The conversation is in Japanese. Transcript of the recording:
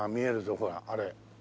ほらあれ。